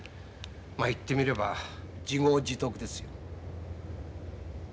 まあ言ってみれば自業自得ですよ。